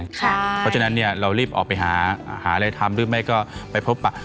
เพราะฉะนั้นเรารีบออกไปหาอะไรทำหรือไม่ก็ไปพบปะ